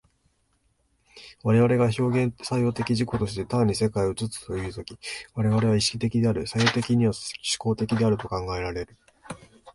我々が表現作用的自己として単に世界を映すという時、我々は意識的である、作用的には志向的と考えられる。